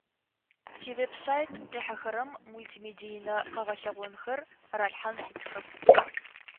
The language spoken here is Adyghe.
Тивеб-сайт къихьэхэрэм мултимедийнэ къэгъэлъэгъонхэр ралъхьан фитхэп.